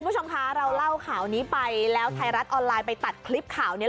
คุณผู้ชมคะเราเล่าข่าวนี้ไปแล้วไทยรัฐออนไลน์ไปตัดคลิปข่าวนี้